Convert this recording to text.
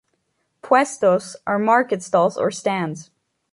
"Puestos" are market stalls or stands.